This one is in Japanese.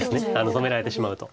止められてしまうと。